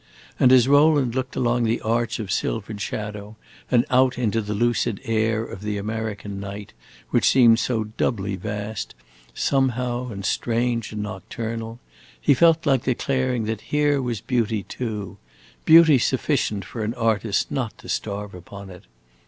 And as Rowland looked along the arch of silvered shadow and out into the lucid air of the American night, which seemed so doubly vast, somehow, and strange and nocturnal, he felt like declaring that here was beauty too beauty sufficient for an artist not to starve upon it.